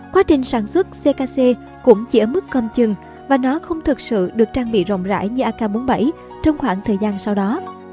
quá trình sản xuất ckc cũng chỉ ở mức com chừng và nó không thực sự được trang bị rộng rãi như ak bốn mươi bảy trong khoảng thời gian sau đó